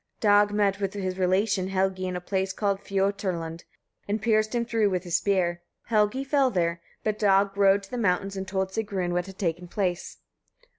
Dag met with his relation Helgi in a place called Fioturlund, and pierced him through with his spear. Helgi fell there, but Dag rode to the mountains and told Sigrun what had taken place.